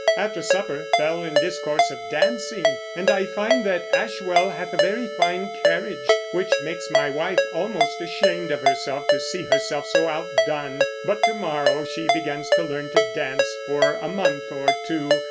After supper, fell in discourse of dancing, and I find that Ashwell hath a very fine carriage, which makes my wife almost ashamed of herself to see herself so outdone, but to morrow she begins to learn to dance for a month or two.